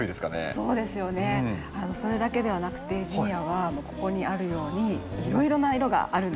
それだけではなくてジニアはここにあるようにいろいろな色があるんですよね。